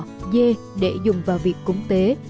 đã tạo ra việc nuôi bò dê để dùng vào việc cúng tế